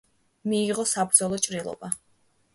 მიიღო საბრძოლო ჭრილობა.